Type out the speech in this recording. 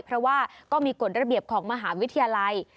เพราะว่าก็มีกฎระเบียบของมหาวิทยาลัย